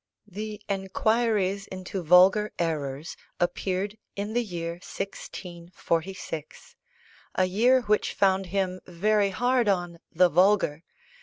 The Enquiries into Vulgar Errors appeared in the year 1646; a year which found him very hard on "the vulgar."